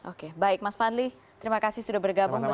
oke baik mas fadli terima kasih sudah bergabung bersama kami